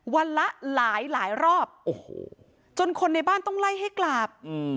ละหลายหลายรอบโอ้โหจนคนในบ้านต้องไล่ให้กลับ